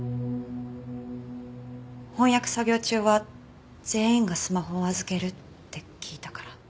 翻訳作業中は全員がスマホを預けるって聞いたから。